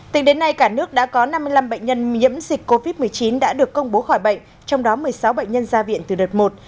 tính đến nay cả nước đã có năm mươi năm bệnh nhân nhiễm dịch covid một mươi chín đã được công bố khỏi bệnh trong đó một mươi sáu bệnh nhân ra viện từ đợt một